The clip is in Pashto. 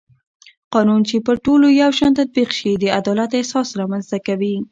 قانون چې پر ټولو یو شان تطبیق شي د عدالت احساس رامنځته کوي